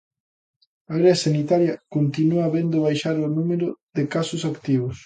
A área sanitaria continúa vendo baixar o número de casos activos.